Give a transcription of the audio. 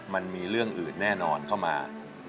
มันมีเรื่องอื่นแน่นอนเข้ามา